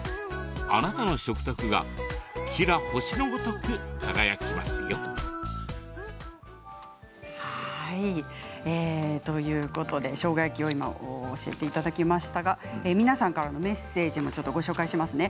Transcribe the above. あなたの食卓がきら星のごとく輝きますよ。ということでしょうが焼きを教えていただきましたが皆さんからのメッセージもちょっとご紹介しますね。